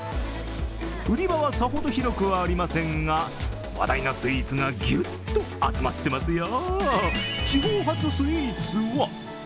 売り場はさほど広くはありませんが、話題のスイーツがギュッと集まってますよ。